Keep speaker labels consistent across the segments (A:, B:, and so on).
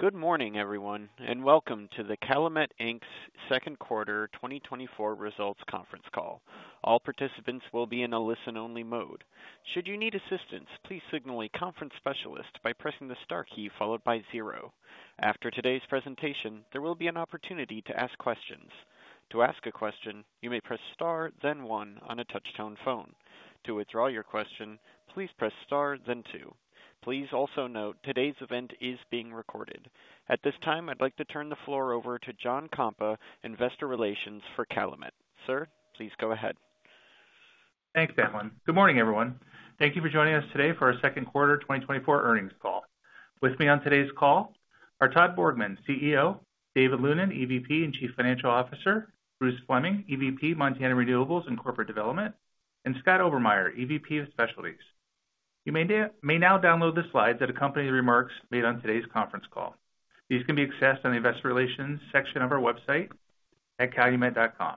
A: Good morning, everyone, and welcome to the Calumet Inc.'s Q2 2024 Results Conference Call. All participants will be in a listen-only mode. Should you need assistance, please signal a conference specialist by pressing the star key followed by zero. After today's presentation, there will be an opportunity to ask questions. To ask a question, you may press star, then one on a touch-tone phone. To withdraw your question, please press star, then two. Please also note, today's event is being recorded. At this time, I'd like to turn the floor over to John Kampa, Investor Relations for Calumet. Sir, please go ahead.
B: Thanks, Edwin. Good morning, everyone. Thank you for joining us today for our Q2 2024 earnings call. With me on today's call are Todd Borgmann, CEO; David Lunin, EVP and Chief Financial Officer; Bruce Fleming, EVP, Montana Renewables and Corporate Development; and Scott Obermeier, EVP of Specialties. You may now download the slides that accompany the remarks made on today's conference call. These can be accessed on the investor relations section of our website at calumet.com.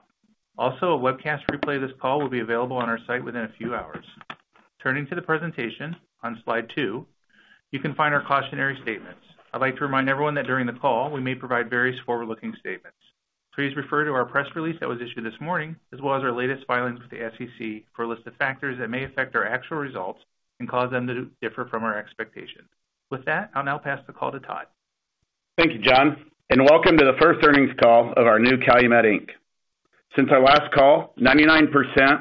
B: Also, a webcast replay of this call will be available on our site within a few hours. Turning to the presentation, on Slide 2, you can find our cautionary statements. I'd like to remind everyone that during the call, we may provide various forward-looking statements. Please refer to our press release that was issued this morning, as well as our latest filings with the SEC, for a list of factors that may affect our actual results and cause them to differ from our expectations. With that, I'll now pass the call to Todd.
C: Thank you, John, and welcome to the first earnings call of our new Calumet Inc. Since our last call, 99%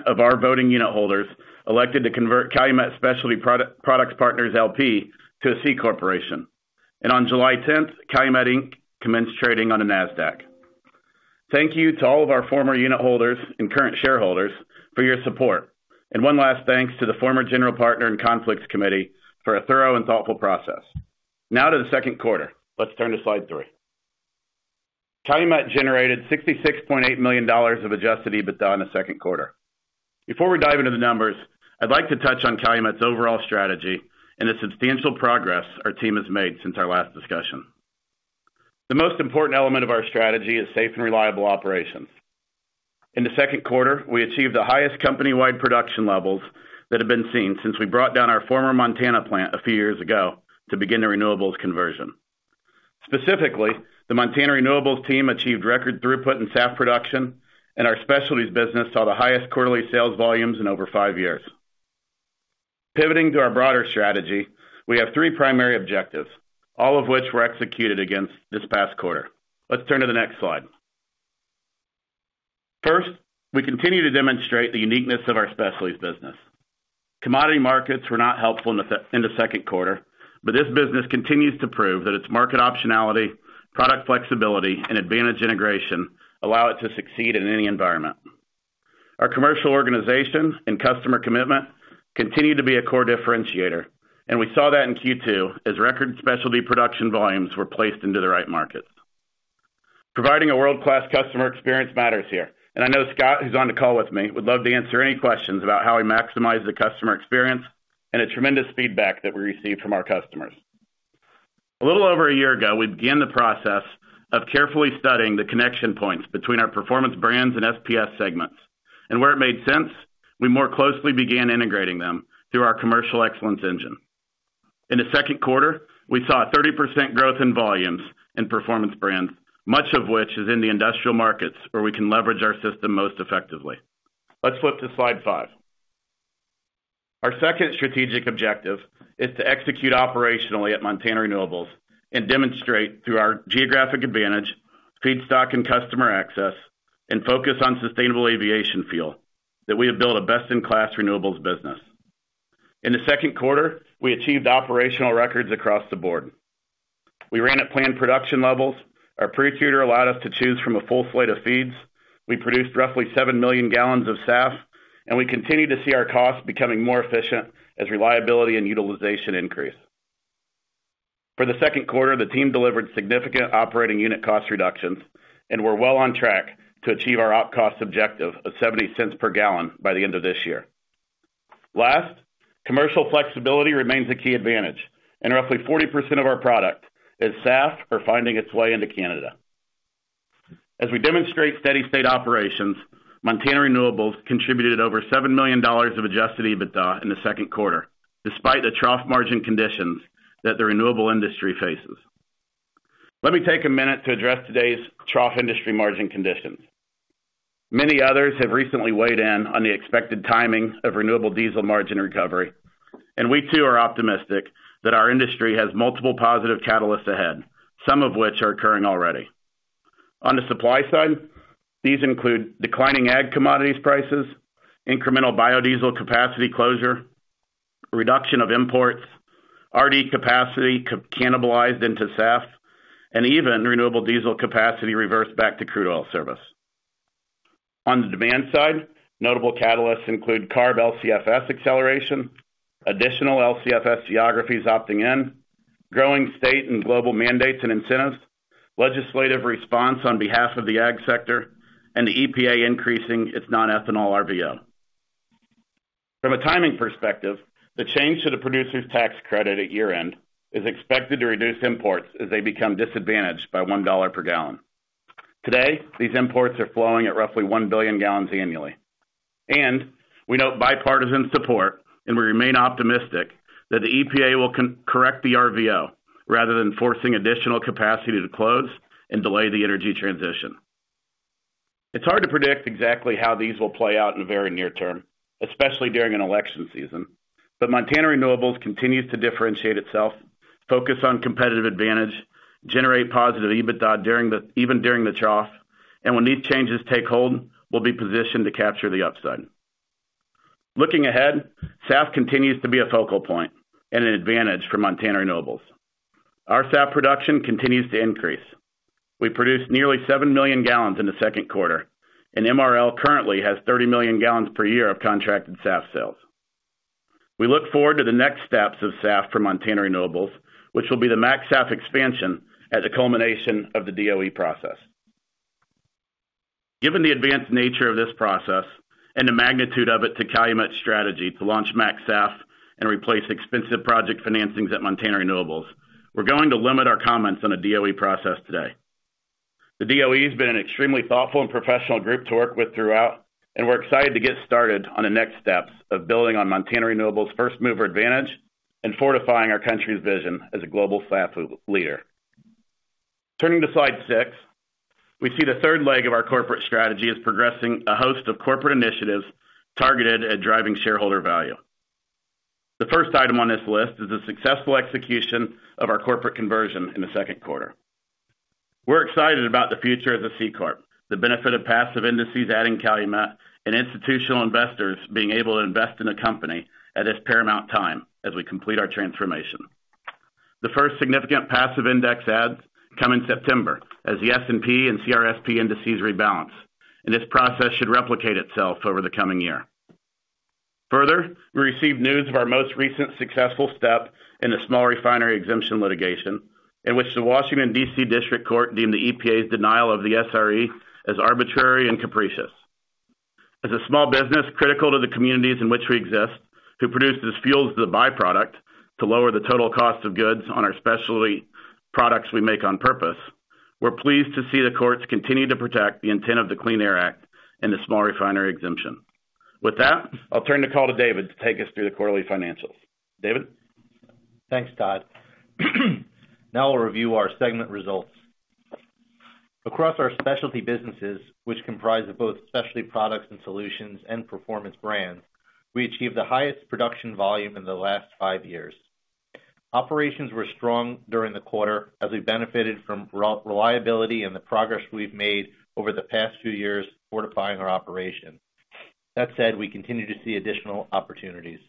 C: of our voting unit holders elected to convert Calumet Specialty Products Partners, L.P. to a C corporation, and on 10 July, Calumet Inc. commenced trading on the Nasdaq. Thank you to all of our former unit holders and current shareholders for your support. One last thanks to the former general partner and Conflicts Committee for a thorough and thoughtful process. Now to the Q2. Let's turn to Slide 3. Calumet generated $66.8 million of Adjusted EBITDA in the Q2. Before we dive into the numbers, I'd like to touch on Calumet's overall strategy and the substantial progress our team has made since our last discussion. The most important element of our strategy is safe and reliable operations. In the Q2, we achieved the highest company-wide production levels that have been seen since we brought down our former Montana plant a few years ago to begin the renewables conversion. Specifically, the Montana Renewables team achieved record throughput in SAF production, and our specialties business saw the highest quarterly sales volumes in over five years. Pivoting to our broader strategy, we have three primary objectives, all of which were executed against this past quarter. Let's turn to the next slide. First, we continue to demonstrate the uniqueness of our specialties business. Commodity markets were not helpful in the Q2, but this business continues to prove that its market optionality, product flexibility, and advantage integration allow it to succeed in any environment. Our commercial organization and customer commitment continue to be a core differentiator, and we saw that in Q2 as record specialty production volumes were placed into the right markets. Providing a world-class customer experience matters here, and I know Scott, who's on the call with me, would love to answer any questions about how we maximize the customer experience and the tremendous feedback that we receive from our customers. A little over a year ago, we began the process of carefully studying the connection points between our performance brands and SPS segments, and where it made sense, we more closely began integrating them through our commercial excellence engine. In the Q2, we saw a 30% growth in volumes in performance brands, much of which is in the industrial markets, where we can leverage our system most effectively. Let's flip to Slide 5. Our second strategic objective is to execute operationally at Montana Renewables and demonstrate through our geographic advantage, feedstock and customer access, and focus on sustainable aviation fuel, that we have built a best-in-class renewables business. In the Q2, we achieved operational records across the board. We ran at planned production levels. Our pretreater allowed us to choose from a full slate of feeds. We produced roughly 7 million gallons of SAF, and we continue to see our costs becoming more efficient as reliability and utilization increase. For the Q2, the team delivered significant operating unit cost reductions, and we're well on track to achieve our op cost objective of $0.70 per gallon by the end of this year. Last, commercial flexibility remains a key advantage, and roughly 40% of our product is SAF or finding its way into Canada. As we demonstrate steady state operations, Montana Renewables contributed over $7 million of Adjusted EBITDA in the Q2, despite the trough margin conditions that the renewable industry faces. Let me take a minute to address today's trough industry margin conditions. Many others have recently weighed in on the expected timing of renewable diesel margin recovery, and we, too, are optimistic that our industry has multiple positive catalysts ahead, some of which are occurring already. On the supply side, these include declining ag commodities prices, incremental biodiesel capacity closure, reduction of imports, RD capacity cannibalized into SAF, and even renewable diesel capacity reversed back to crude oil service. On the demand side, notable catalysts include CARB LCFS acceleration, additional LCFS geographies opting in, growing state and global mandates and incentives, legislative response on behalf of the ag sector, and the EPA increasing its non-ethanol RVO. From a timing perspective, the change to the Producer's Tax Credit at year-end is expected to reduce imports as they become disadvantaged by $1 per gallon. Today, these imports are flowing at roughly 1 billion gallons annually. We note bipartisan support, and we remain optimistic that the EPA will correct the RVO rather than forcing additional capacity to close and delay the energy transition. It's hard to predict exactly how these will play out in the very near term, especially during an election season, but Montana Renewables continues to differentiate itself, focus on competitive advantage, generate positive EBITDA even during the trough, and when these changes take hold, we'll be positioned to capture the upside. Looking ahead, SAF continues to be a focal point and an advantage for Montana Renewables. Our SAF production continues to increase. We produced nearly 7 million gallons in the Q2, and MRL currently has 30 million gallons per year of contracted SAF sales. We look forward to the next steps of SAF for Montana Renewables, which will be the MaxSAF expansion as a culmination of the DOE process. Given the advanced nature of this process and the magnitude of it to Calumet's strategy to launch MaxSAF and replace expensive project financings at Montana Renewables, we're going to limit our comments on the DOE process today. The DOE has been an extremely thoughtful and professional group to work with throughout, and we're excited to get started on the next steps of building on Montana Renewables' first-mover advantage and fortifying our country's vision as a global SAF leader. Turning to Slide 6, we see the third leg of our corporate strategy is progressing a host of corporate initiatives targeted at driving shareholder value. The first item on this list is the successful execution of our corporate conversion in the Q2. We're excited about the future as a C corp, the benefit of passive indices adding Calumet, and institutional investors being able to invest in the company at this paramount time as we complete our transformation. The first significant passive index adds come in September as the S&P and CRSP indices rebalance, and this process should replicate itself over the coming year. Further, we received news of our most recent successful step in the small refinery exemption litigation, in which the Washington, D.C. District Court deemed the EPA's denial of the SRE as arbitrary and capricious. As a small business critical to the communities in which we exist, who produce these fuels as a byproduct to lower the total cost of goods on our specialty products we make on purpose, we're pleased to see the courts continue to protect the intent of the Clean Air Act and the Small Refinery Exemption. With that, I'll turn the call to David to take us through the quarterly financials. David?
D: Thanks, Todd. Now I'll review our segment results. Across our specialty businesses, which comprise of both specialty products and solutions and performance brands, we achieved the highest production volume in the last five years. Operations were strong during the quarter as we benefited from reliability and the progress we've made over the past few years fortifying our operations. That said, we continue to see additional opportunities.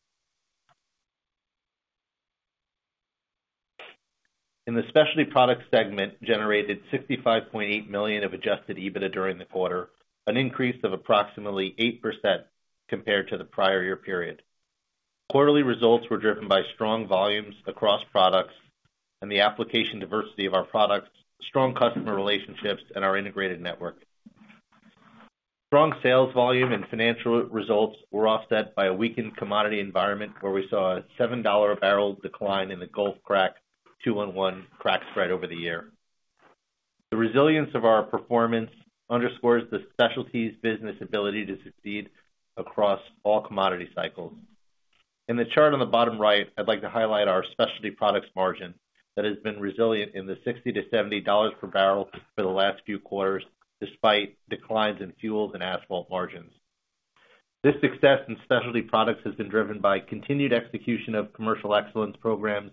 D: And the specialty products segment generated $65.8 million of Adjusted EBITDA during the quarter, an increase of approximately 8% compared to the prior year period. Quarterly results were driven by strong volumes across products and the application diversity of our products, strong customer relationships, and our integrated network. Strong sales volume and financial results were offset by a weakened commodity environment, where we saw a $7-a-barrel decline in the Gulf 2-1-1 crack spread over the year. The resilience of our performance underscores the specialties business ability to succeed across all commodity cycles. In the chart on the bottom right, I'd like to highlight our specialty products margin that has been resilient in the $60 to 70 per barrel for the last few quarters, despite declines in fuels and asphalt margins. This success in specialty products has been driven by continued execution of commercial excellence programs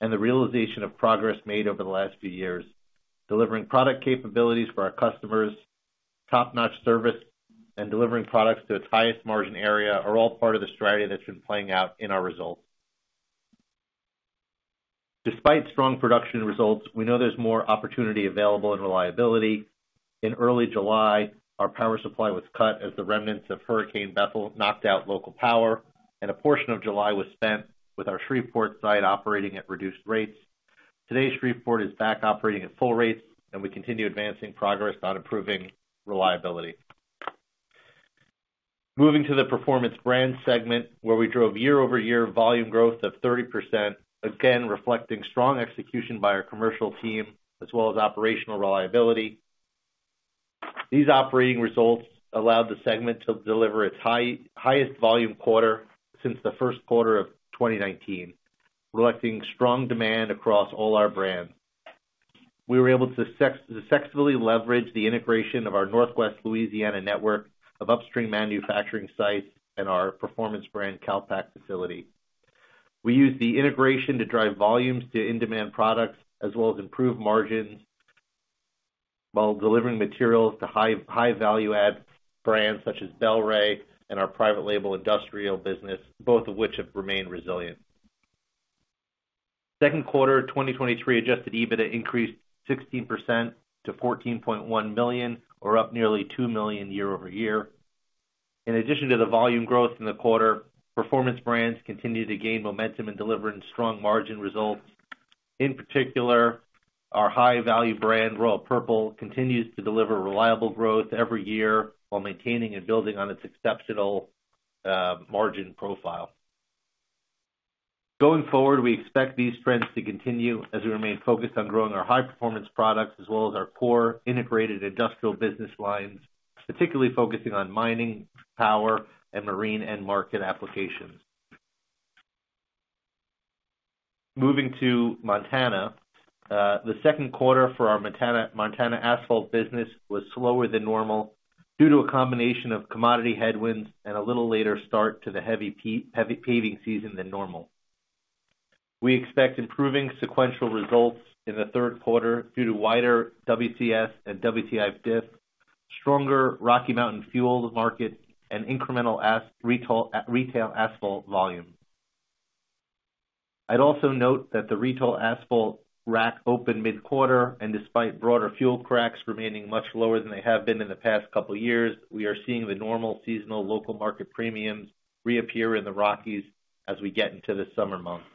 D: and the realization of progress made over the last few years. Delivering product capabilities for our customers, top-notch service, and delivering products to its highest margin area are all part of the strategy that's been playing out in our results. Despite strong production results, we know there's more opportunity available in reliability. In early July, our power supply was cut as the remnants of Hurricane Beryl knocked out local power, and a portion of July was spent with our Shreveport site operating at reduced rates. Today, Shreveport is back operating at full rates, and we continue advancing progress on improving reliability. Moving to the performance brand segment, where we drove year-over-year volume growth of 30%, again, reflecting strong execution by our commercial team as well as operational reliability. These operating results allowed the segment to deliver its highest volume quarter since the Q1 of 2019, reflecting strong demand across all our brands. We were able to successfully leverage the integration of our Northwest Louisiana network of upstream manufacturing sites and our performance brand, Calpak facility. We used the integration to drive volumes to in-demand products, as well as improve margins, while delivering materials to high-value-add brands such as Bel-Ray and our private label industrial business, both of which have remained resilient. Q2 2023 Adjusted EBITDA increased 16% to $14.1 million, or up nearly $2 million year-over-year. In addition to the volume growth in the quarter, performance brands continued to gain momentum in delivering strong margin results. In particular, our high-value brand, Royal Purple, continues to deliver reliable growth every year while maintaining and building on its exceptional margin profile.... Going forward, we expect these trends to continue as we remain focused on growing our high-performance products as well as our core integrated industrial business lines, particularly focusing on mining, power, and marine end-market applications. Moving to Montana, the Q2 for our Montana asphalt business was slower than normal due to a combination of commodity headwinds and a little later start to the heavy paving season than normal. We expect improving sequential results in the Q3 due to wider WCS and WTI diff, stronger Rocky Mountain fuel market, and incremental retail asphalt volume. I'd also note that the retail asphalt rack opened mid-quarter, and despite broader fuel cracks remaining much lower than they have been in the past couple years, we are seeing the normal seasonal local market premiums reappear in the Rockies as we get into the summer months.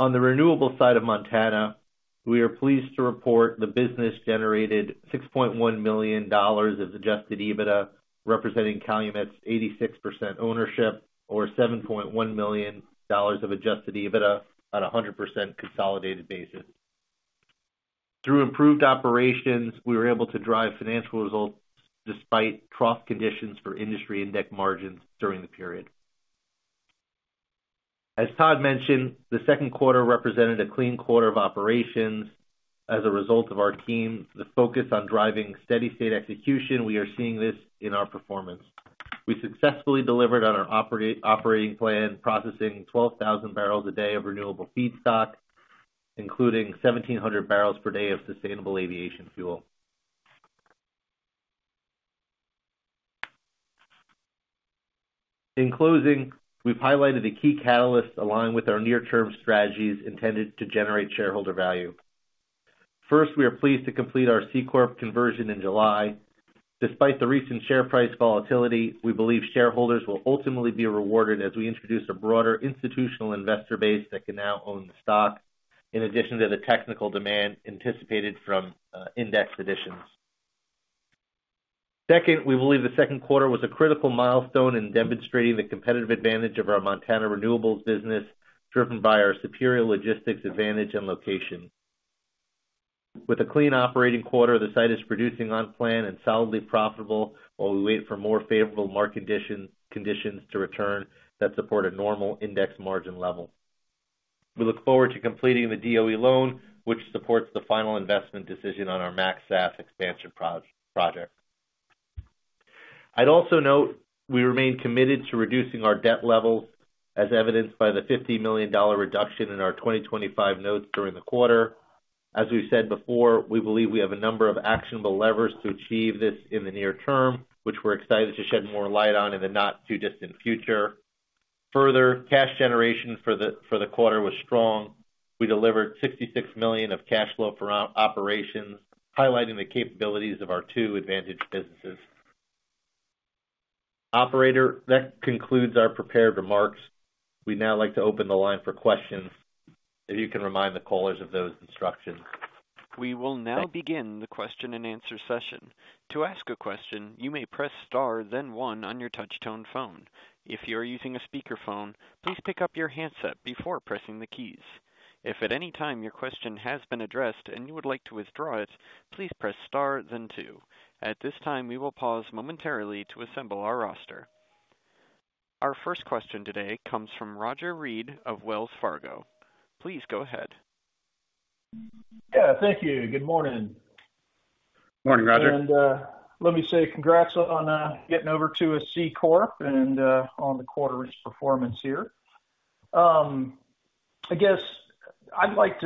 D: On the renewable side of Montana, we are pleased to report the business generated $6.1 million of adjusted EBITDA, representing Calumet's 86% ownership, or $7.1 million of adjusted EBITDA on a 100% consolidated basis. Through improved operations, we were able to drive financial results despite trough conditions for industry index margins during the period. As Todd mentioned, the Q2 represented a clean quarter of operations as a result of our team, the focus on driving steady state execution. We are seeing this in our performance. We successfully delivered on our operating plan, processing 12,000 barrels a day of renewable feedstock, including 1,700 barrels per day of sustainable aviation fuel. In closing, we've highlighted the key catalysts along with our near-term strategies intended to generate shareholder value. First, we are pleased to complete our C-Corp conversion in July. Despite the recent share price volatility, we believe shareholders will ultimately be rewarded as we introduce a broader institutional investor base that can now own the stock, in addition to the technical demand anticipated from index additions. Second, we believe the Q2 was a critical milestone in demonstrating the competitive advantage of our Montana renewables business, driven by our superior logistics advantage and location. With a clean operating quarter, the site is producing on plan and solidly profitable while we wait for more favorable market condition, conditions to return that support a normal index margin level. We look forward to completing the DOE loan, which supports the final investment decision on our MaxSAF expansion project. I'd also note, we remain committed to reducing our debt levels, as evidenced by the $50 million reduction in our 2025 notes during the quarter. As we've said before, we believe we have a number of actionable levers to achieve this in the near term, which we're excited to shed more light on in the not-too-distant future. Further, cash generation for the quarter was strong. We delivered $66 million of cash flow from operations, highlighting the capabilities of our two advantaged businesses. Operator, that concludes our prepared remarks. We'd now like to open the line for questions, if you can remind the callers of those instructions.
A: We will now begin the question-and-answer session. To ask a question, you may press star, then one on your touch tone phone. If you are using a speakerphone, please pick up your handset before pressing the keys. If at any time your question has been addressed and you would like to withdraw it, please press star then two. At this time, we will pause momentarily to assemble our roster. Our first question today comes from Roger Read of Wells Fargo. Please go ahead.
E: Yeah, thank you. Good morning.
D: Morning, Roger.
E: Let me say congrats on getting over to a C-Corp and on the quarter's performance here. I guess I'd like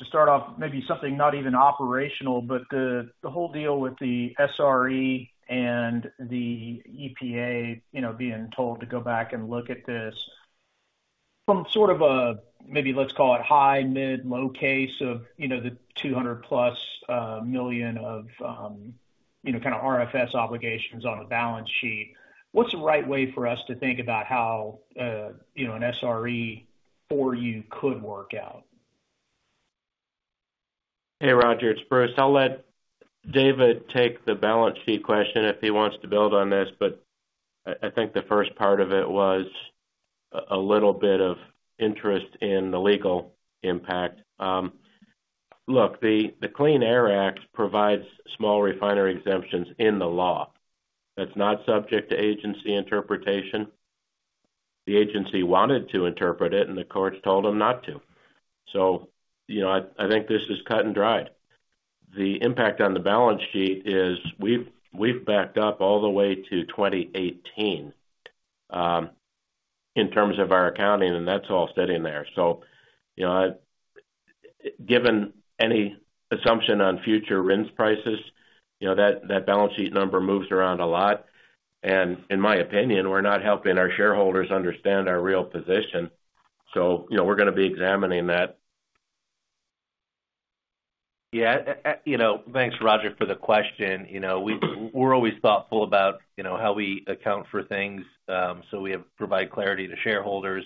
E: to start off maybe something not even operational, but the whole deal with the SRE and the EPA, you know, being told to go back and look at this. From sort of a, maybe let's call it high, mid, low case of, you know, the $200+ million of, you know, kind of RFS obligations on the balance sheet, what's the right way for us to think about how, you know, an SRE for you could work out?
F: Hey, Roger, it's Bruce. I'll let David take the balance sheet question if he wants to build on this, but I think the first part of it was a little bit of interest in the legal impact. Look, the Clean Air Act provides small refinery exemptions in the law. That's not subject to agency interpretation. The agency wanted to interpret it, and the courts told them not to. So you know, I think this is cut and dried. The impact on the balance sheet is we've backed up all the way to 2018 in terms of our accounting, and that's all steady in there. So, you know, given any assumption on future RINs prices, you know, that balance sheet number moves around a lot. In my opinion, we're not helping our shareholders understand our real position, so, you know, we're gonna be examining that.
D: Yeah, you know, thanks, Roger, for the question. You know, we're always thoughtful about, you know, how we account for things, so we have provided clarity to shareholders....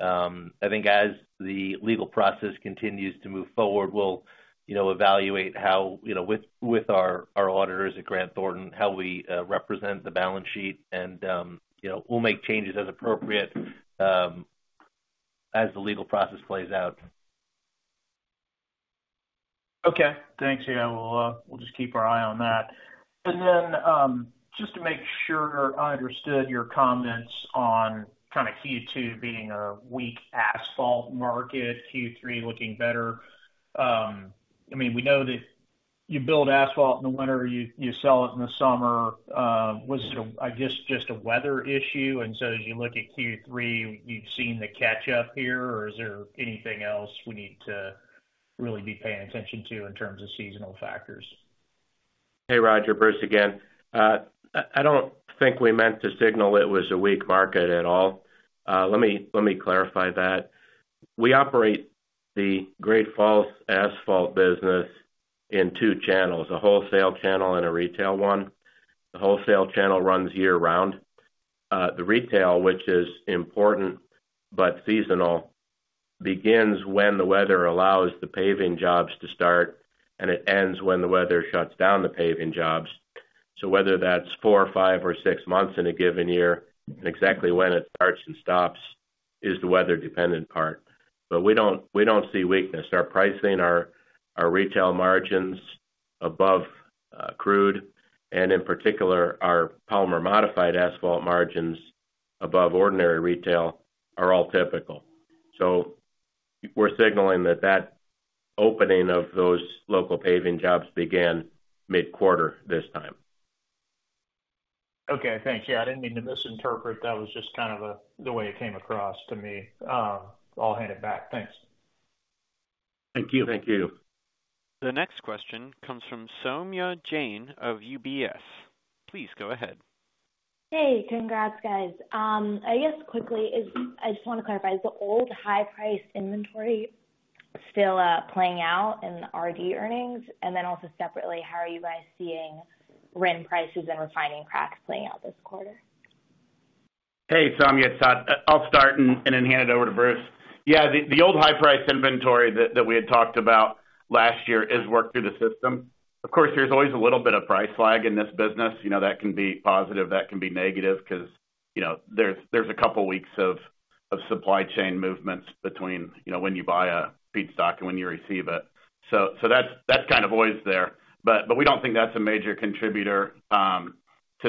C: I think as the legal process continues to move forward, we'll, you know, evaluate how, you know, with our auditors at Grant Thornton, how we represent the balance sheet, and, you know, we'll make changes as appropriate, as the legal process plays out.
E: Okay. Thanks. Yeah, we'll, we'll just keep our eye on that. And then, just to make sure I understood your comments on kind of Q2 being a weak asphalt market, Q3 looking better. I mean, we know that you build asphalt in the winter, you, you sell it in the summer. Was it, I guess, just a weather issue, and so as you look at Q3, you've seen the catch-up here, or is there anything else we need to really be paying attention to in terms of seasonal factors?
F: Hey, Roger, Bruce again. I don't think we meant to signal it was a weak market at all. Let me clarify that. We operate the Great Falls asphalt business in two channels: a wholesale channel and a retail one. The wholesale channel runs year-round. The retail, which is important but seasonal, begins when the weather allows the paving jobs to start, and it ends when the weather shuts down the paving jobs. So whether that's four or five or six months in a given year, and exactly when it starts and stops is the weather-dependent part. But we don't see weakness. Our pricing, our retail margins above crude, and in particular, our polymer-modified asphalt margins above ordinary retail, are all typical. So we're signaling that that opening of those local paving jobs began mid-quarter this time.
E: Okay, thanks. Yeah, I didn't mean to misinterpret. That was just kind of the way it came across to me. I'll hand it back. Thanks.
F: Thank you.
C: Thank you.
A: The next question comes from Saumya Jain of UBS. Please go ahead.
G: Hey, congrats, guys. I guess, quickly, I just want to clarify, is the old high-price inventory still playing out in the RD earnings? And then also separately, how are you guys seeing RIN prices and refining cracks playing out this quarter?
C: Hey, Soumya, it's Todd. I'll start and then hand it over to Bruce. Yeah, the old high-price inventory that we had talked about last year is worked through the system. Of course, there's always a little bit of price lag in this business, you know, that can be positive, that can be negative, 'cause, you know, there's a couple weeks of supply chain movements between, you know, when you buy a feedstock and when you receive it. So that's kind of always there. But we don't think that's a major contributor to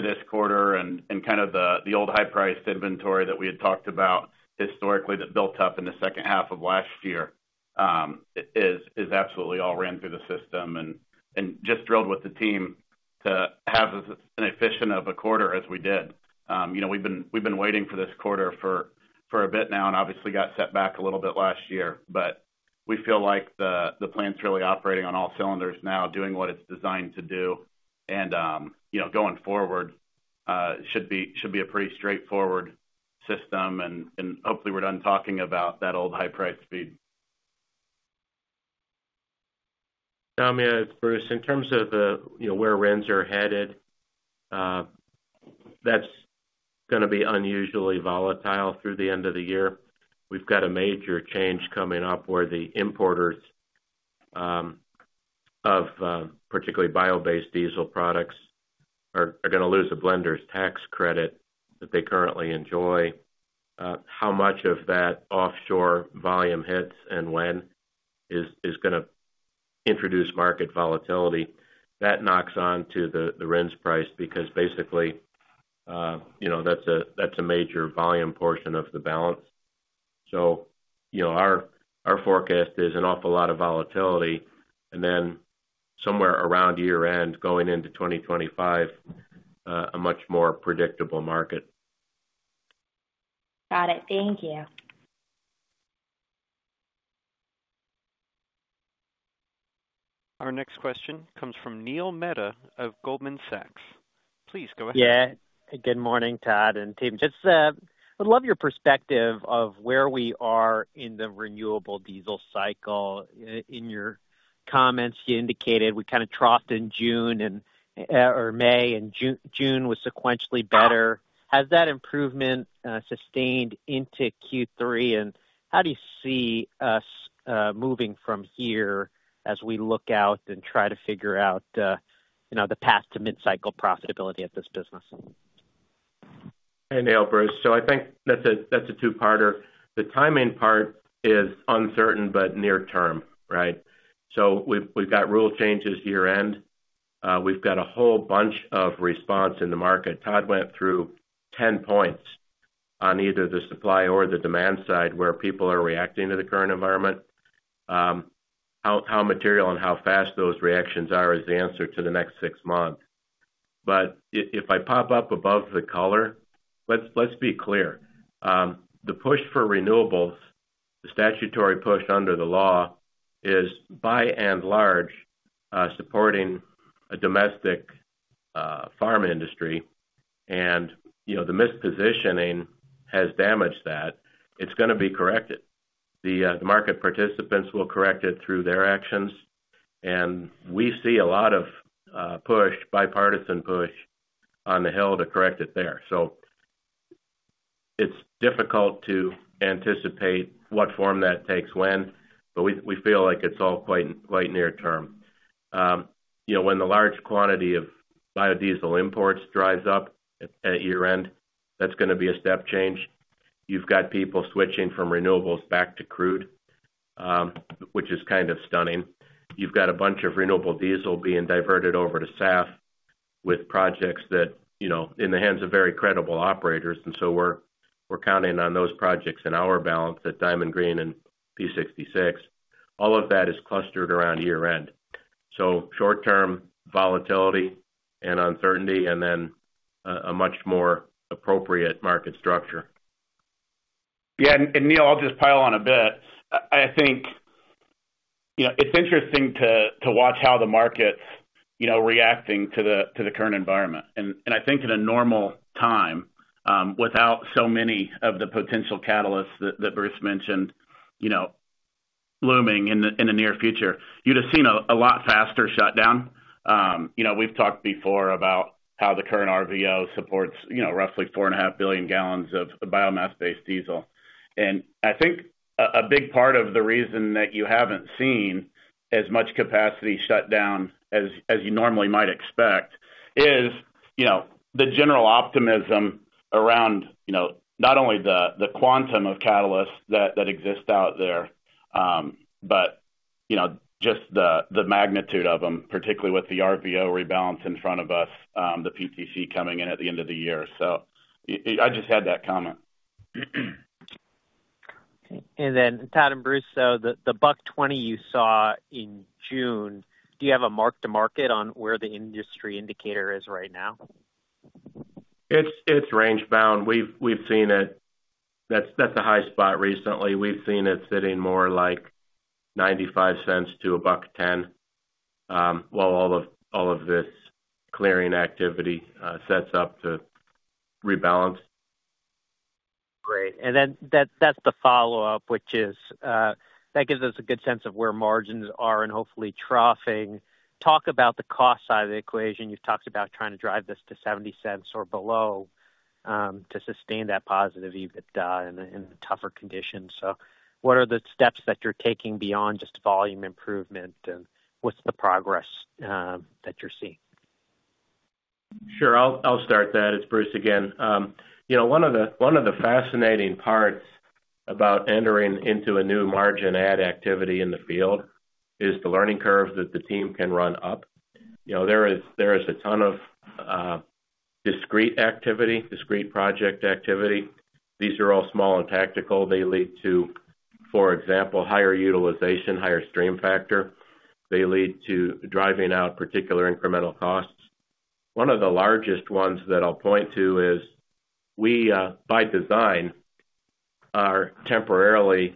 C: this quarter and kind of the old high-priced inventory that we had talked about historically that built up in the second half of last year is absolutely all ran through the system and just drilled with the team to have as efficient a quarter as we did. You know, we've been waiting for this quarter for a bit now and obviously got set back a little bit last year. But we feel like the plant's really operating on all cylinders now, doing what it's designed to do, and you know, going forward, should be a pretty straightforward system, and hopefully, we're done talking about that old high-priced feed.
F: Soumya, it's Bruce. In terms of the, you know, where RINs are headed, that's gonna be unusually volatile through the end of the year. We've got a major change coming up where the importers, of, particularly bio-based diesel products are, are gonna lose a blender's tax credit that they currently enjoy. How much of that offshore volume hits and when is, is gonna introduce market volatility? That knocks on to the, the RINs price because basically, you know, that's a, that's a major volume portion of the balance. So, you know, our, our forecast is an awful lot of volatility, and then somewhere around year-end, going into 2025, a much more predictable market.
G: Got it. Thank you.
A: Our next question comes from Neil Mehta of Goldman Sachs. Please go ahead.
H: Yeah. Good morning, Todd and team. Just, I'd love your perspective of where we are in the renewable diesel cycle. In, in your comments, you indicated we kind of troughed in June and, or May and June, June was sequentially better. Has that improvement, sustained into Q3? And how do you see us, moving from here as we look out and try to figure out, you know, the path to mid-cycle profitability of this business?
F: Hey, Neil, Bruce. So I think that's a two-parter. The timing part is uncertain, but near-term, right? So we've got rule changes year-end. We've got a whole bunch of response in the market. Todd went through 10 points on either the supply or the demand side, where people are reacting to the current environment. How material and how fast those reactions are is the answer to the next six months. But if I pop up above the color, let's be clear. The push for renewables, the statutory push under the law, is by and large supporting a domestic farm industry, and you know, the mispositioning has damaged that. It's gonna be corrected. The market participants will correct it through their actions, and we see a lot of push, bipartisan push on the hill to correct it there. So it's difficult to anticipate what form that takes when, but we feel like it's all quite near term. You know, when the large quantity of biodiesel imports dries up at year-end, that's gonna be a step change. You've got people switching from renewables back to crude, which is kind of stunning. You've got a bunch of renewable diesel being diverted over to SAF with projects that, you know, in the hands of very credible operators, and so we're counting on those projects in our balance at Diamond Green and P66. All of that is clustered around year-end. So short term volatility and uncertainty, and then a much more appropriate market structure.
C: Yeah, and Neil, I'll just pile on a bit. I think, you know, it's interesting to watch how the market's, you know, reacting to the current environment. And I think in a normal time, without so many of the potential catalysts that Bruce mentioned, you know, looming in the near future, you'd have seen a lot faster shutdown. You know, we've talked before about how the current RVO supports, you know, roughly 4.5 billion gallons of biomass-based diesel. I think a big part of the reason that you haven't seen as much capacity shut down as you normally might expect is, you know, the general optimism around, you know, not only the quantum of catalysts that exist out there, but, you know, just the magnitude of them, particularly with the RVO rebalance in front of us, the PTC coming in at the end of the year. So I just had that comment.
H: Okay, and then Todd and Bruce, so the $1.20 you saw in June, do you have a mark to market on where the industry indicator is right now?
F: It's range-bound. We've seen it. That's a high spot recently. We've seen it sitting more like $0.95 to 1.10, while all of this clearing activity sets up to rebalance.
H: Great. And then that, that's the follow-up, which is, that gives us a good sense of where margins are and hopefully troughing. Talk about the cost side of the equation. You've talked about trying to drive this to $0.70 or below, to sustain that positive EBITDA in the tougher conditions. So what are the steps that you're taking beyond just volume improvement, and what's the progress that you're seeing?
F: Sure. I'll start that. It's Bruce again. You know, one of the fascinating parts about entering into a new margin ad activity in the field is the learning curve that the team can run up. You know, there is a ton of discrete activity, discrete project activity. These are all small and tactical. They lead to, for example, higher utilization, higher stream factor. They lead to driving out particular incremental costs. One of the largest ones that I'll point to is, we, by design, are temporarily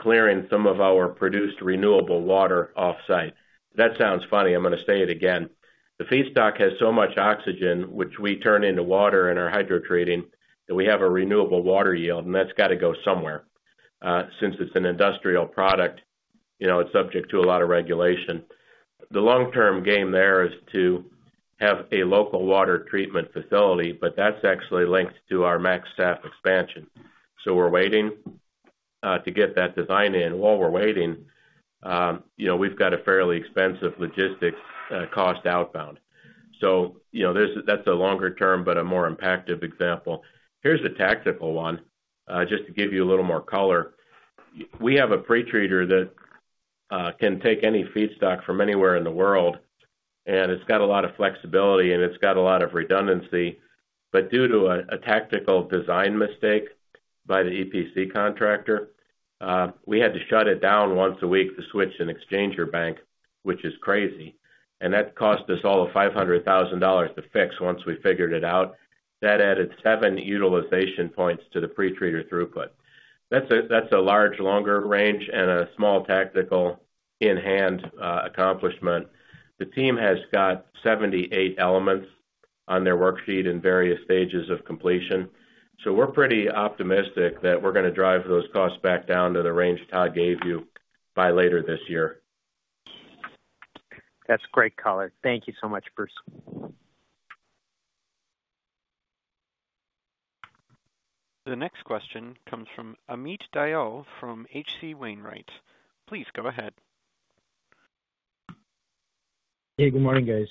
F: clearing some of our produced renewable water off-site. That sounds funny. I'm gonna say it again. The feedstock has so much oxygen, which we turn into water in our hydrotreating, that we have a renewable water yield, and that's got to go somewhere. Since it's an industrial product, you know, it's subject to a lot of regulation. The long-term game there is to have a local water treatment facility, but that's actually linked to our MaxSAF expansion. So we're waiting to get that design in. While we're waiting, you know, we've got a fairly expensive logistics cost outbound. So, you know, there's-- that's a longer term, but a more impactive example. Here's a tactical one, just to give you a little more color. We have a pretreater that can take any feedstock from anywhere in the world, and it's got a lot of flexibility, and it's got a lot of redundancy. But due to a tactical design mistake by the EPC contractor, we had to shut it down once a week to switch an exchanger bank, which is crazy, and that cost us all of $500,000 to fix once we figured it out. That added 7 utilization points to the pretreater throughput. That's a large, longer range and a small tactical in hand accomplishment. The team has got 78 elements on their worksheet in various stages of completion, so we're pretty optimistic that we're gonna drive those costs back down to the range Todd gave you by later this year.
H: That's great color. Thank you so much, Bruce.
A: The next question comes from Amit Dayal from H.C. Wainwright. Please go ahead.
I: Hey, good morning, guys.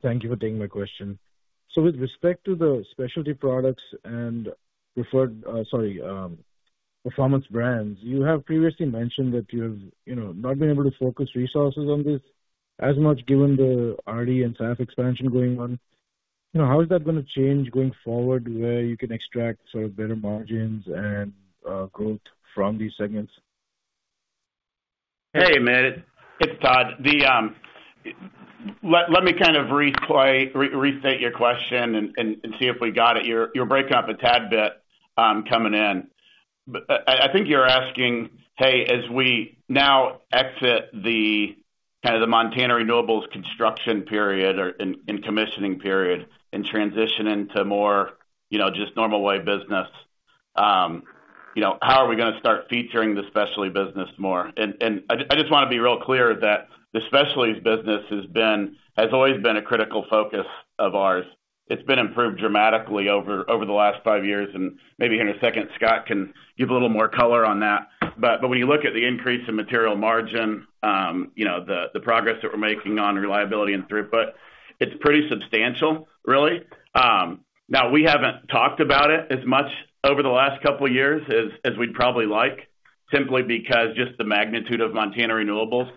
I: Thank you for taking my question. So with respect to the specialty products and performance brands, you have previously mentioned that you have, you know, not been able to focus resources on this as much, given the RD and SAF expansion going on. You know, how is that gonna change going forward, where you can extract sort of better margins and growth from these segments?
C: Hey, Amit, it's Todd. Let me kind of restate your question and see if we got it. You're breaking up a tad bit coming in. But I think you're asking, "Hey, as we now exit the, kind of, the Montana Renewables construction period or and commissioning period and transition into more, you know, just normal way business,... you know, how are we gonna start featuring the specialty business more? And I just wanna be real clear that the specialties business has always been a critical focus of ours. It's been improved dramatically over the last five years, and maybe here in a second, Scott can give a little more color on that. But when you look at the increase in material margin, you know, the progress that we're making on reliability and throughput, it's pretty substantial, really. Now, we haven't talked about it as much over the last couple of years as we'd probably like, simply because just the magnitude of Montana Renewables,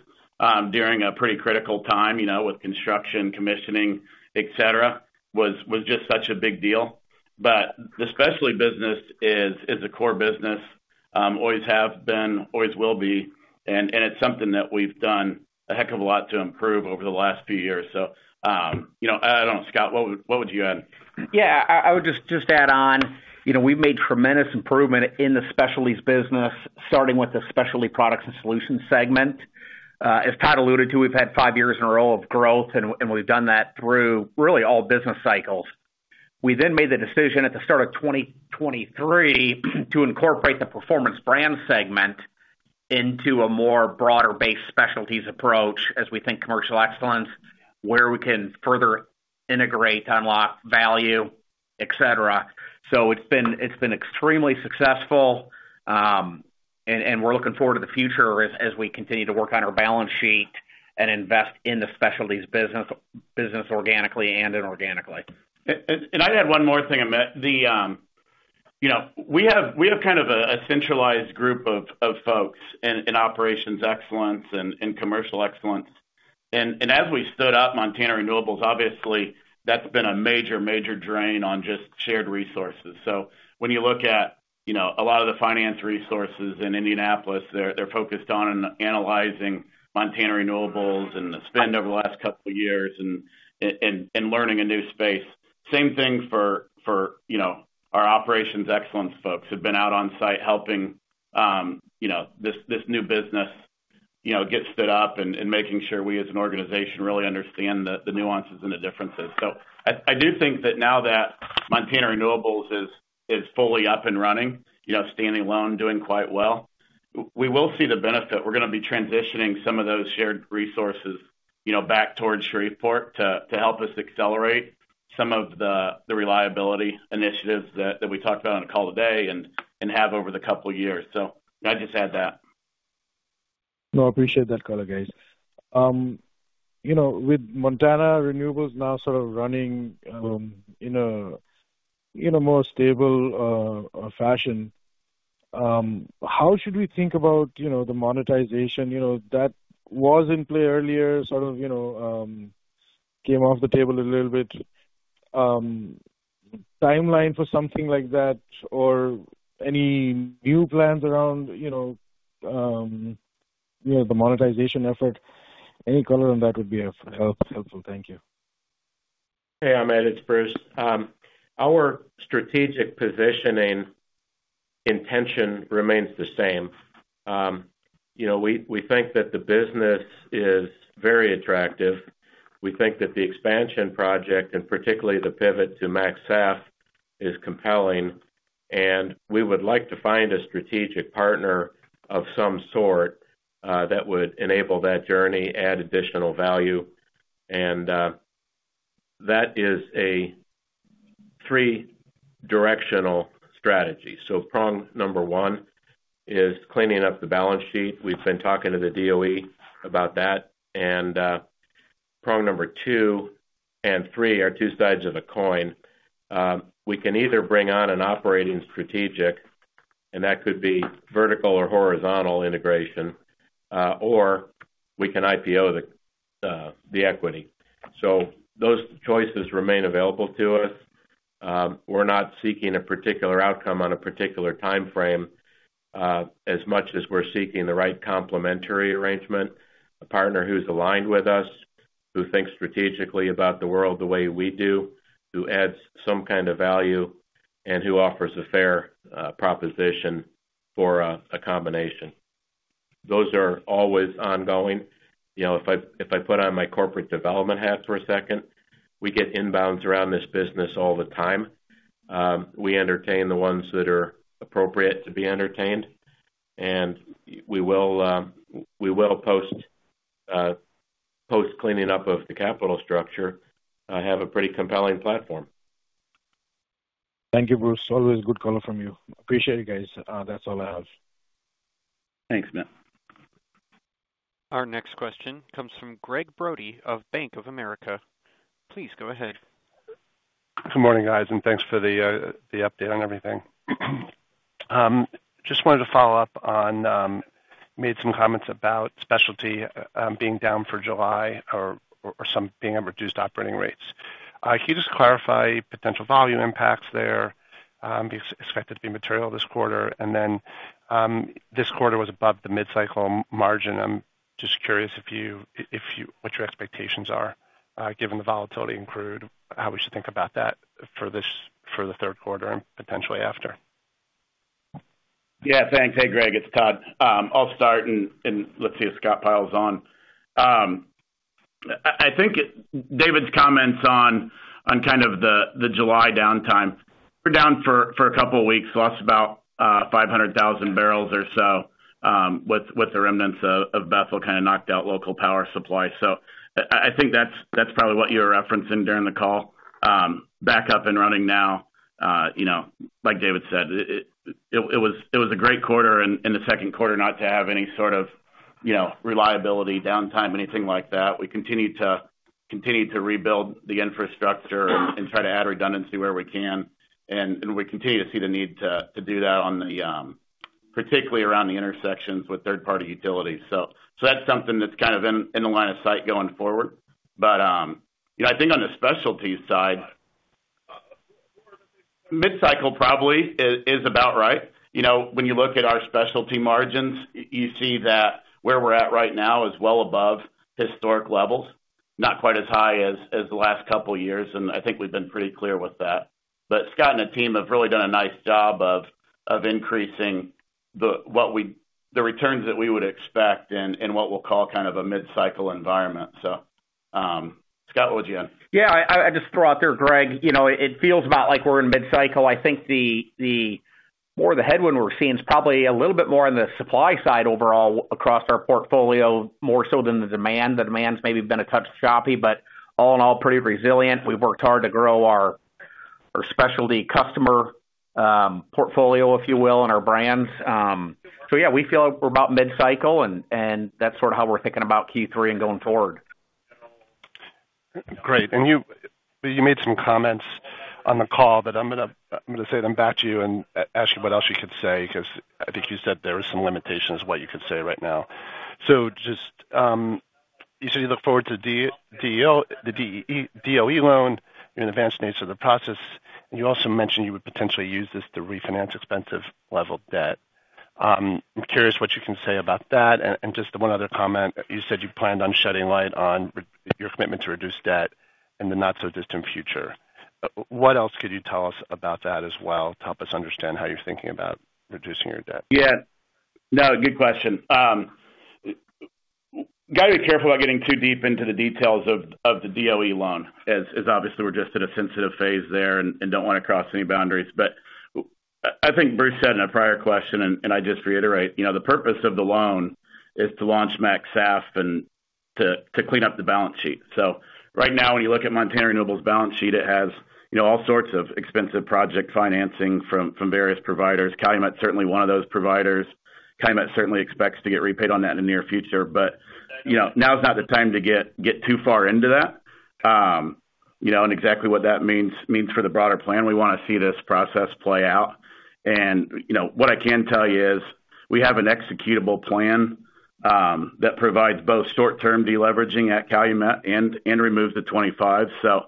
C: during a pretty critical time, you know, with construction, commissioning, et cetera, was just such a big deal. But the specialty business is a core business, always have been, always will be, and it's something that we've done a heck of a lot to improve over the last few years. So, you know, I don't know, Scott, what would you add?
J: Yeah, I would add on, you know, we've made tremendous improvement in the specialties business, starting with the Specialty Products and Solutions segment. As Todd alluded to, we've had five years in a row of growth, and we've done that through really all business cycles. We then made the decision at the start of 2023 to incorporate the performance brand segment into a more broader-based specialties approach, as we think commercial excellence, where we can further integrate, unlock value, et cetera. So it's been extremely successful, and we're looking forward to the future as we continue to work on our balance sheet and invest in the specialties business organically and inorganically.
F: And I'd add one more thing, Amit. The, you know, we have kind of a centralized group of folks in operations excellence and commercial excellence. And as we stood up Montana Renewables, obviously, that's been a major drain on just shared resources. So when you look at, you know, a lot of the finance resources in Indianapolis, they're focused on analyzing Montana Renewables and the spend over the last couple of years and learning a new space. Same thing for, you know, our operations excellence folks who've been out on site helping, you know, this new business, you know, get stood up and making sure we, as an organization, really understand the nuances and the differences. So I do think that now that Montana Renewables is fully up and running, you know, standing alone, doing quite well, we will see the benefit. We're gonna be transitioning some of those shared resources, you know, back towards Shreveport to help us accelerate some of the reliability initiatives that we talked about on the call today and have over the couple of years. So I'd just add that.
I: No, I appreciate that color, guys. You know, with Montana Renewables now sort of running in a more stable fashion, how should we think about, you know, the monetization? You know, that was in play earlier, sort of, you know, came off the table a little bit. Timeline for something like that or any new plans around, you know, you know, the monetization effort? Any color on that would be helpful. Thank you.
F: Hey, Amit, it's Bruce. Our strategic positioning intention remains the same. You know, we think that the business is very attractive. We think that the expansion project, and particularly the pivot to MaxSAF, is compelling, and we would like to find a strategic partner of some sort that would enable that journey, add additional value, and that is a three-directional strategy. So prong number one is cleaning up the balance sheet. We've been talking to the DOE about that, and prong number two and three are two sides of a coin. We can either bring on an operating strategic, and that could be vertical or horizontal integration, or we can IPO the equity. So those choices remain available to us. We're not seeking a particular outcome on a particular timeframe, as much as we're seeking the right complementary arrangement, a partner who's aligned with us, who thinks strategically about the world the way we do, who adds some kind of value and who offers a fair proposition for a combination. Those are always ongoing. You know, if I put on my corporate development hat for a second, we get inbounds around this business all the time. We entertain the ones that are appropriate to be entertained, and we will, post cleaning up of the capital structure, have a pretty compelling platform.
I: Thank you, Bruce. Always good color from you. Appreciate it, guys. That's all I have.
F: Thanks, Matt.
A: Our next question comes from Gregg Brody of Bank of America. Please go ahead.
K: Good morning, guys, and thanks for the update on everything. Just wanted to follow up on made some comments about specialty being down for July or some being on reduced operating rates. Can you just clarify potential volume impacts there be expected to be material this quarter? And then, this quarter was above the mid-cycle margin. I'm just curious what your expectations are, given the volatility in crude, how we should think about that for the Q3 and potentially after?...
C: Yeah, thanks. Hey, Greg, it's Todd. I'll start, and let's see if Scott Pyle is on. I think David's comments on kind of the July downtime, we're down for a couple of weeks, lost about 500,000 barrels or so, with the remnants of Beryl kind of knocked out local power supply. So I think that's probably what you were referencing during the call. Back up and running now, you know, like David said, it was a great quarter in the Q2 not to have any sort of, you know, reliability, downtime, anything like that. We continue to rebuild the infrastructure and try to add redundancy where we can. We continue to see the need to do that, particularly around the intersections with third-party utilities. So that's something that's kind of in the line of sight going forward. But you know, I think on the specialties side, mid-cycle probably is about right. You know, when you look at our specialty margins, you see that where we're at right now is well above historic levels, not quite as high as the last couple of years, and I think we've been pretty clear with that. But Scott and the team have really done a nice job of increasing the what we, the returns that we would expect in what we'll call kind of a mid-cycle environment. So Scott, what would you add?
J: Yeah, I just throw out there, Greg, you know, it feels about like we're in mid-cycle. I think the more the headwind we're seeing is probably a little bit more on the supply side overall across our portfolio, more so than the demand. The demand's maybe been a touch choppy, but all in all, pretty resilient. We've worked hard to grow our specialty customer portfolio, if you will, and our brands. So yeah, we feel like we're about mid-cycle, and that's sort of how we're thinking about Q3 and going forward.
K: Great. And you, you made some comments on the call, but I'm gonna, I'm gonna say them back to you and ask you what else you could say, because I think you said there were some limitations what you could say right now. So just, you said you look forward to the DOE loan and the advanced nature of the process. And you also mentioned you would potentially use this to refinance expensive level of debt. I'm curious what you can say about that. And, and just the one other comment, you said you planned on shedding light on your commitment to reduce debt in the not so distant future. What else could you tell us about that as well to help us understand how you're thinking about reducing your debt?
C: Yeah. No, good question. Gotta be careful about getting too deep into the details of the DOE loan, as obviously we're just at a sensitive phase there and don't want to cross any boundaries. But I think Bruce said in a prior question, and I just reiterate, you know, the purpose of the loan is to launch MaxSAF and to clean up the balance sheet. So right now, when you look at Montana Renewables' balance sheet, it has, you know, all sorts of expensive project financing from various providers. Calumet is certainly one of those providers. Calumet certainly expects to get repaid on that in the near future. But, you know, now is not the time to get too far into that, you know, and exactly what that means for the broader plan. We want to see this process play out. You know, what I can tell you is we have an executable plan that provides both short-term deleveraging at Calumet and removes the 25. So,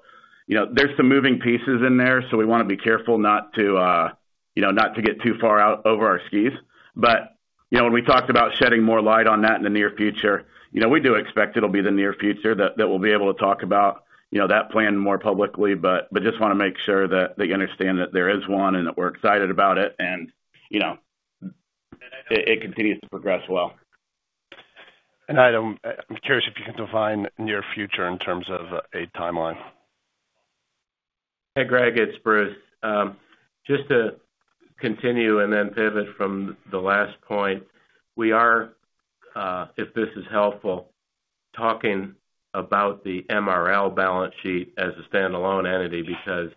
C: you know, there's some moving pieces in there, so we want to be careful not to, you know, not to get too far out over our skis. But, you know, when we talked about shedding more light on that in the near future, you know, we do expect it'll be the near future that we'll be able to talk about, you know, that plan more publicly. But just want to make sure that you understand that there is one and that we're excited about it, and, you know, it continues to progress well.
K: I, I'm curious if you can define near future in terms of a timeline.
F: Hey, Greg, it's Bruce. Just to continue and then pivot from the last point. We are, if this is helpful, talking about the MRL balance sheet as a standalone entity because,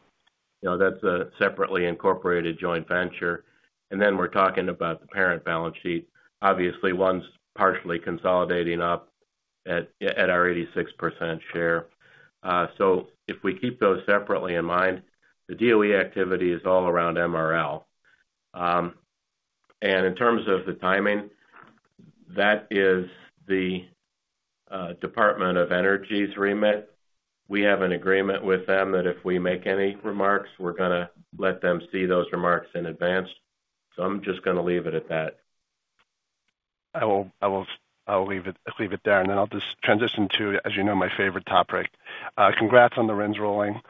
F: you know, that's a separately incorporated joint venture, and then we're talking about the parent balance sheet. Obviously, one's partially consolidating up at our 86% share. So if we keep those separately in mind, the DOE activity is all around MRL. And in terms of the timing, that is the Department of Energy's remit. We have an agreement with them that if we make any remarks, we're gonna let them see those remarks in advance. So I'm just gonna leave it at that.
K: I will leave it there, and then I'll just transition to, as you know, my favorite topic. Congrats on the RINs rolling.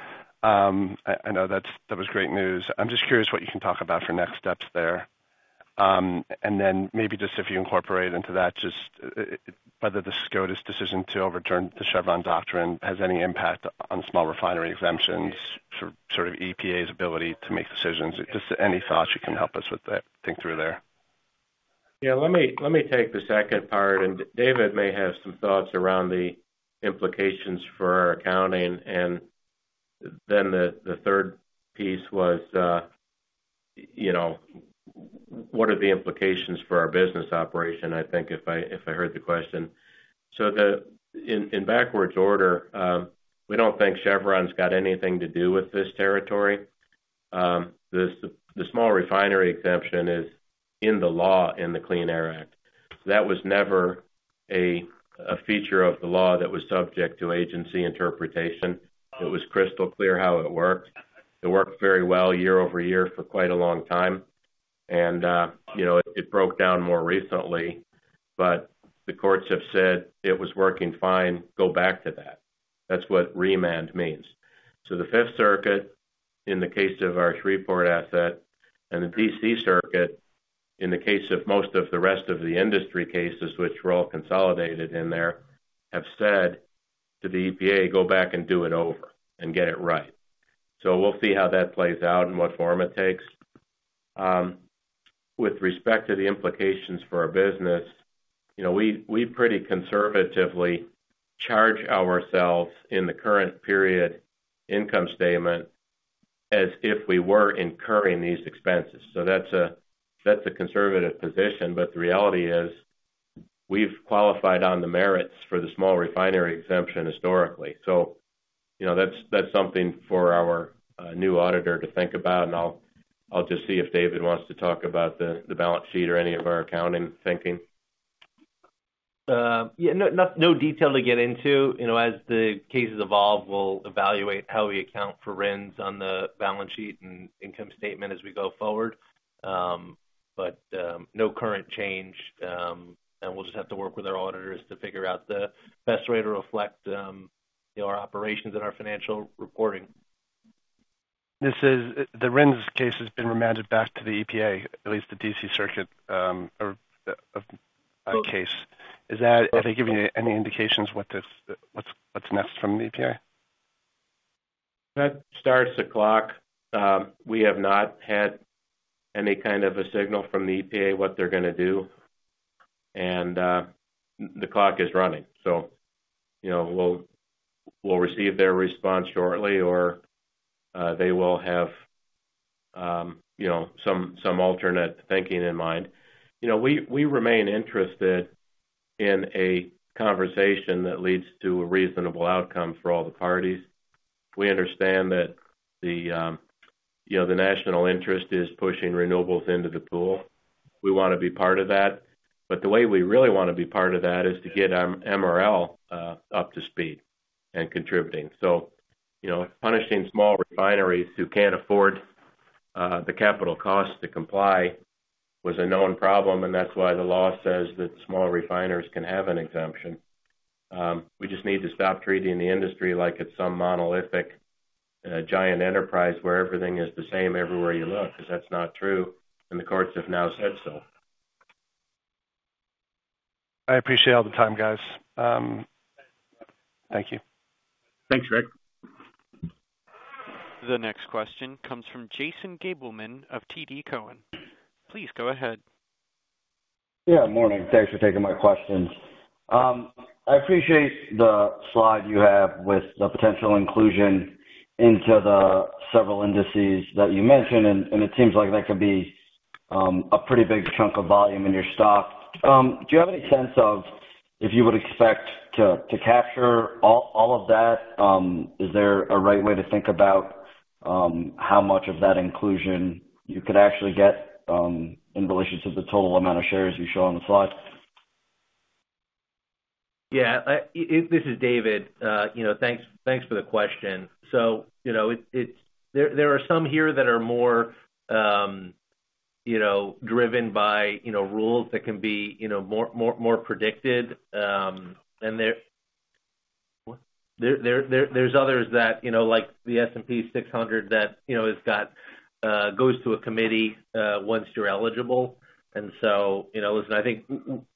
K: I know that's, that was great news. I'm just curious what you can talk about for next steps there. And then maybe just if you incorporate into that, whether the SCOTUS decision to overturn the Chevron doctrine has any impact on small refinery exemptions, sort of EPA's ability to make decisions. Just any thoughts you can help us with that, think through there? Yeah, let me take the second part, and David may have some thoughts around the implications for our accounting. And then the third piece was, you know, what are the implications for our business operation? I think if I heard the question. So in backwards order, we don't think Chevron's got anything to do with this territory. The small refinery exemption is in the law, in the Clean Air Act. That was never a feature of the law that was subject to agency interpretation. It was crystal clear how it worked. It worked very well year-over-year for quite a long time. And, you know, it broke down more recently, but the courts have said it was working fine, go back to that. That's what remand means. So the Fifth Circuit, in the case of our Shreveport asset, and the D.C. Circuit, in the case of most of the rest of the industry cases, which were all consolidated in there, have said to the E.P.A., "Go back and do it over and get it right." So we'll see how that plays out and what form it takes. With respect to the implications for our business, you know, we pretty conservatively charge ourselves in the current period income statement as if we were incurring these expenses. So that's a conservative position. But the reality is, we've qualified on the merits for the small refinery exemption historically. So, you know, that's something for our new auditor to think about, and I'll just see if David wants to talk about the balance sheet or any of our accounting thinking.
D: Yeah, no detail to get into. You know, as the cases evolve, we'll evaluate how we account for RINs on the balance sheet and income statement as we go forward. But, no current change, and we'll just have to work with our auditors to figure out the best way to reflect, you know, our operations and our financial reporting.
K: This is the RINs case has been remanded back to the EPA, at least the D.C. circuit, or the case. Is that? Are they giving you any indications what this, what's next from the EPA?
F: That starts the clock. We have not had any kind of a signal from the EPA, what they're gonna do, and, the clock is running. So, you know, we'll, we'll receive their response shortly, or, they will have, you know, some, some alternate thinking in mind. You know, we, we remain interested in a conversation that leads to a reasonable outcome for all the parties. We understand that the, you know, the national interest is pushing renewables into the pool. We wanna be part of that, but the way we really wanna be part of that is to get our MRL, up to speed and contributing. So, you know, punishing small refineries who can't afford, the capital costs to comply was a known problem, and that's why the law says that small refiners can have an exemption. We just need to stop treating the industry like it's some monolithic, giant enterprise where everything is the same everywhere you look, 'cause that's not true, and the courts have now said so.
K: I appreciate all the time, guys. Thank you.
F: Thanks, Rick.
A: The next question comes from Jason Gabelman of TD Cowen. Please go ahead.
L: Yeah, morning. Thanks for taking my questions. I appreciate the slide you have with the potential inclusion into the several indices that you mentioned, and it seems like that could be a pretty big chunk of volume in your stock. Do you have any sense of if you would expect to capture all of that? Is there a right way to think about how much of that inclusion you could actually get in relation to the total amount of shares you show on the slide?
D: Yeah, this is David. You know, thanks, thanks for the question. So, you know, it's. There are some here that are more, you know, driven by, you know, rules that can be, you know, more, more, more predicted. And there, there's others that, you know, like the S&P 600, that, you know, has got, goes to a committee, once you're eligible. And so, you know, listen, I think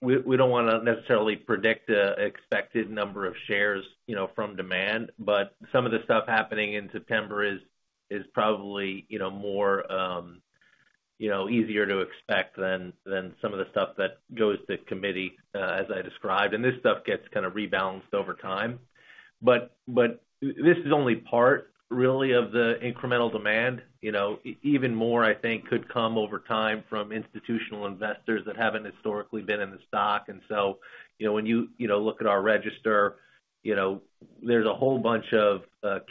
D: we don't wanna necessarily predict the expected number of shares, you know, from demand, but some of the stuff happening in September is, is probably, you know, more, you know, easier to expect than, than some of the stuff that goes to committee, as I described. And this stuff gets kind of rebalanced over time. But this is only part really of the incremental demand. You know, even more, I think, could come over time from institutional investors that haven't historically been in the stock. And so, you know, when you, you know, look at our register, you know, there's a whole bunch of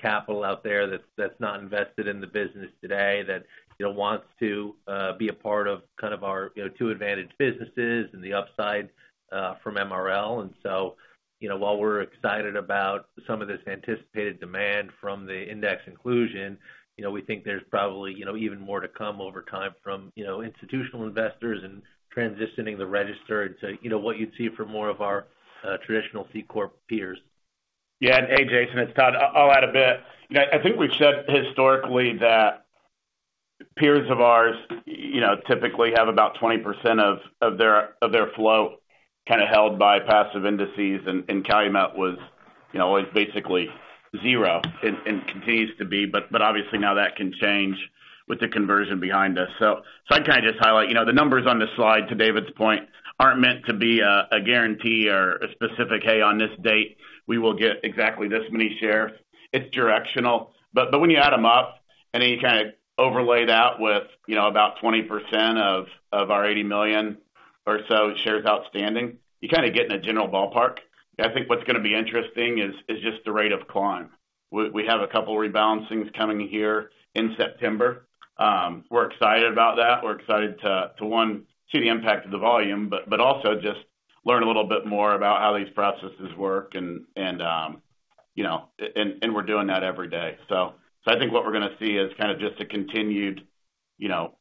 D: capital out there that's not invested in the business today, that, you know, wants to be a part of kind of our, you know, two advantage businesses and the upside from MRL. And so, you know, while we're excited about some of this anticipated demand from the index inclusion, you know, we think there's probably, you know, even more to come over time from, you know, institutional investors and transitioning the register to, you know, what you'd see from more of our traditional C Corp peers.
C: Yeah. Hey, Jason, it's Todd. I'll add a bit. You know, I think we've said historically that peers of ours, you know, typically have about 20% of, of their, of their flow kind of held by passive indices, and, and Calumet was, you know, was basically zero, and, and continues to be, but, but obviously now that can change with the conversion behind us. So, so I'd kind of just highlight, you know, the numbers on this slide, to David's point, aren't meant to be a, a guarantee or a specific, "Hey, on this date, we will get exactly this many shares." It's directional. But, but when you add them up and then you kind of overlay that with, you know, about 20% of, of our 80 million or so shares outstanding, you kind of get in a general ballpark. I think what's gonna be interesting is just the rate of climb. We have a couple rebalancing coming here in September. We're excited about that. We're excited to one, see the impact of the volume, but also just learn a little bit more about how these processes work and, you know, and we're doing that every day. So I think what we're gonna see is kind of just a continued, you know,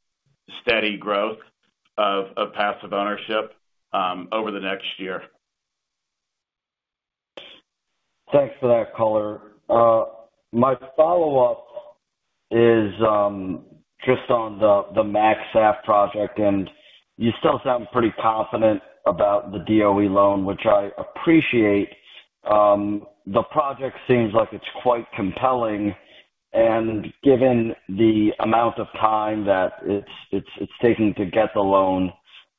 C: steady growth of passive ownership over the next year.
L: Thanks for that color. My follow-up is just on the MaxSAF project, and you still sound pretty confident about the DOE loan, which I appreciate. The project seems like it's quite compelling, and given the amount of time that it's taking to get the loan,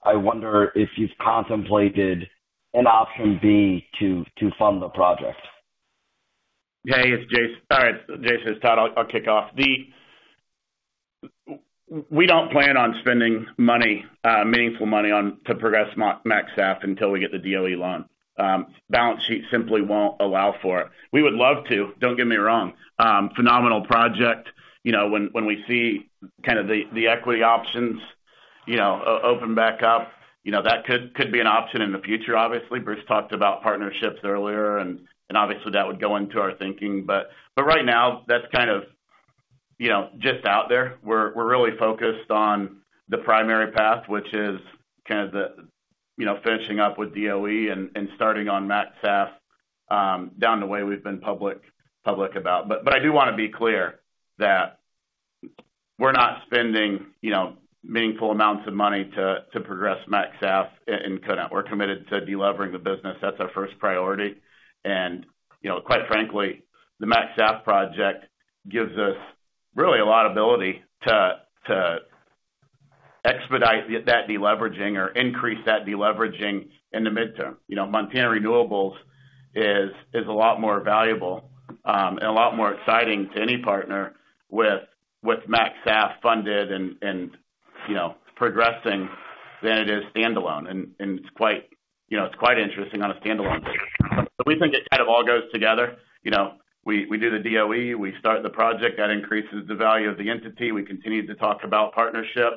L: I wonder if you've contemplated an option B to fund the project?
C: Hey, it's Jason. All right, Jason, it's Todd. I'll kick off. We don't plan on spending money, meaningful money on, to progress MaxSAF until we get the DOE loan. Balance sheet simply won't allow for it. We would love to, don't get me wrong. Phenomenal project. You know, when we see kind of the equity options open back up, you know, that could be an option in the future, obviously. Bruce talked about partnerships earlier, and obviously, that would go into our thinking. But right now, that's kind of just out there. We're really focused on the primary path, which is kind of finishing up with DOE and starting on MaxSAF. Down the way we've been public about. But I do wanna be clear that we're not spending, you know, meaningful amounts of money to progress MaxSAF. We're committed to deleveraging the business. That's our first priority. You know, quite frankly, the MaxSAF project gives us really a lot of ability to expedite that deleveraging or increase that deleveraging in the midterm. You know, Montana Renewables is a lot more valuable and a lot more exciting to any partner with MaxSAF funded and progressing than it is standalone. And it's quite interesting on a standalone basis. So we think it kind of all goes together. You know, we do the DOE, we start the project, that increases the value of the entity. We continue to talk about partnership.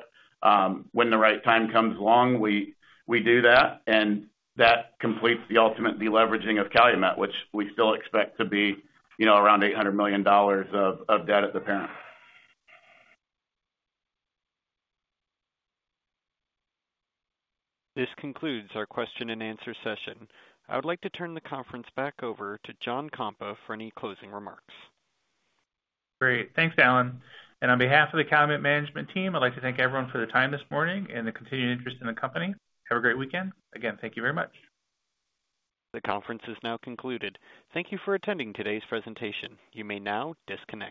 C: When the right time comes along, we do that, and that completes the ultimate deleveraging of Calumet, which we still expect to be, you know, around $800 million of debt at the parent.
A: This concludes our question and answer session. I would like to turn the conference back over to John Kampa for any closing remarks.
B: Great. Thanks, Alan. On behalf of the Calumet management team, I'd like to thank everyone for their time this morning and the continued interest in the company. Have a great weekend. Again, thank you very much.
A: The conference is now concluded. Thank you for attending today's presentation. You may now disconnect.